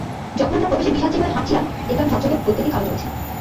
যখন আমরা প্রবেশের বিশাল চেম্বারে হাঁটছিলাম, দেখলাম ঝকঝকে বৈদ্যুতিক আলো জ্বলছে।